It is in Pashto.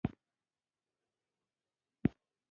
آیا سوالګري مسلک شوی دی؟